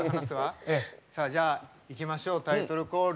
さあじゃあいきましょうタイトルコール。